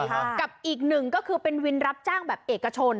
กับอีกหนึ่งก็คือเป็นวินรับจ้างแบบเอกชน